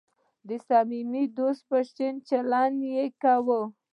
د صمیمي دوست په شان چلند یې وکړ.